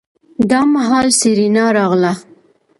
دا مهال سېرېنا راغله.